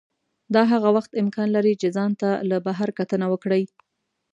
دا هغه وخت امکان لري چې ځان ته له بهر کتنه وکړئ.